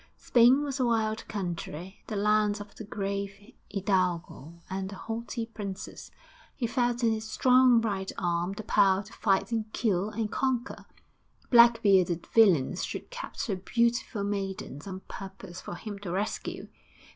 Spain was a wild country, the land of the grave hidalgo and the haughty princess. He felt in his strong right arm the power to fight and kill and conquer. Black bearded villains should capture beautiful maidens on purpose for him to rescue.